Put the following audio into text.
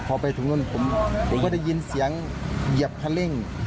พอไปถึงทรงนั้นผมก็ได้ยินเสียงเหยียบเพลิ่ง